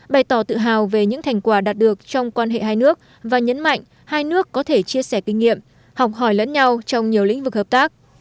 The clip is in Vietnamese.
bày tỏ tự hào về những thành quả đạt được trong quan hệ hai nước và nhấn mạnh hai nước có thể chia sẻ kinh nghiệm học hỏi lẫn nhau trong nhiều lĩnh vực hợp tác